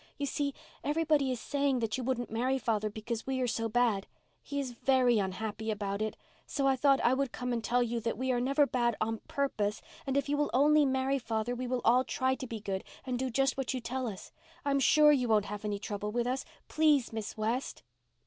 "You see, everybody is saying that you wouldn't marry father because we are so bad. He is very unhappy about it. So I thought I would come and tell you that we are never bad on purpose. And if you will only marry father we will all try to be good and do just what you tell us. I'm sure you won't have any trouble with us. Please, Miss West."